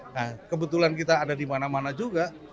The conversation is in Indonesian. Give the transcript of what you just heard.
nah kebetulan kita ada di mana mana juga